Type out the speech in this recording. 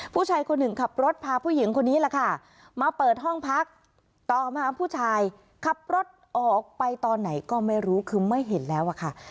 ผู้ชายคนหนึ่งขับรถพาผู้หญิงคนนี้แหละค่ะมาเปิดห้องพักต่อมาผู้ชายขับรถออกไปตอนไหนก็ไม่รู้คือไม่เห็นแล้วอะค่ะ